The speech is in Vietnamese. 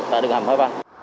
tại đường hầm hải ban